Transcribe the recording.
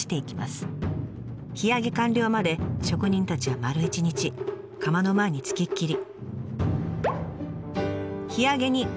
火あげ完了まで職人たちは丸一日窯の前に付きっきり。